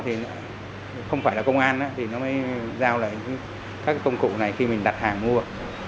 thì nó không phải là công an thì nó mới giao lại các công cụ này khi mình đặt hàng mua